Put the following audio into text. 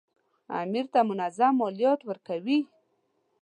امیر ته منظم مالیات ورکوي.